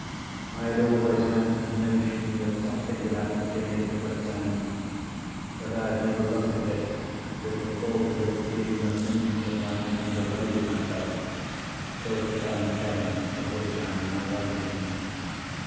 I had always had a notion that something would happen to me at the quicksand. But I had never looked at it, with the thought of its being the means of my making away with myself, till the time came of which I am now writing.